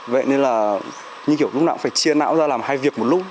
vậy nên là như kiểu lúc nào cũng phải chia não ra làm hai việc một lúc